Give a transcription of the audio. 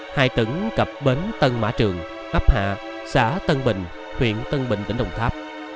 hai tửng cập bến tân mã trường ấp hạ xã tân bình huyện tân bình tỉnh đồng tháp